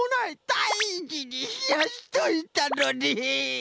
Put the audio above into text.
だいじにひやしといたのに！